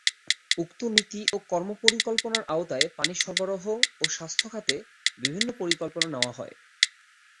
উক্ত নীতি ও কর্মপরিকল্পনার আওতায় পানি সরবরাহ ও স্বাস্থ্য খাতে বিভিন্ন পরিকল্পনা নেয়া হয়।